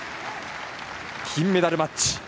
金メダルマッチ。